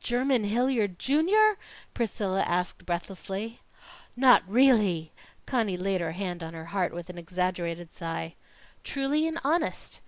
"Jermyn Hilliard, Junior?" Priscilla asked breathlessly. "Not really?" Conny laid her hand on her heart with an exaggerated sigh. "Truly and honest!"